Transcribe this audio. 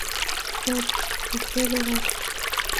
Shorts: cafe dorado.